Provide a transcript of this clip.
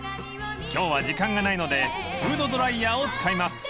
［今日は時間がないのでフードドライヤーを使います］